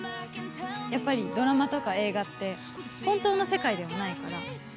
やっぱりドラマとか映画って、本当の世界ではないから。